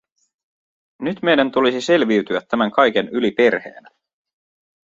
Nyt meidän tulisi selviytyä tämän kaiken yli perheenä.